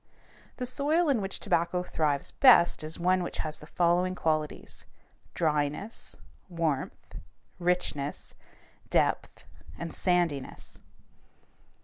The soil in which tobacco thrives best is one which has the following qualities: dryness, warmth, richness, depth, and sandiness.